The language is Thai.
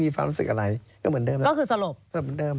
ก็คือสลบสลบเหมือนเดิม